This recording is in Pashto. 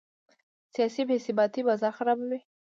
سیاسي بې ثباتي بازار خرابوي.